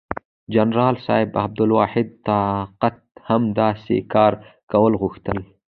جنرال صاحب عبدالواحد طاقت هم داسې کار کول غوښتل.